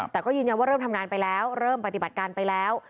แต่ก็ยืนยันว่าเริ่มทำงานไปแล้วเริ่มปฏิบัติการไปแล้ว